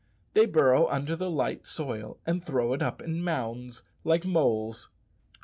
They burrow under the light soil, and throw it up in mounds like moles.